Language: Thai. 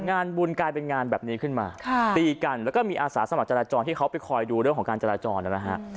งานบุญกลายเป็นงานแบบนี้ขึ้นมาตีกันแล้วก็มีอาสาสมัครจราจรที่เขาไปคอยดูเรื่องของการจราจรนะฮะ